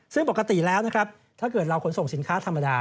ซึ่งปกติแล้วนะครับถ้าเกิดเราขนส่งสินค้าธรรมดา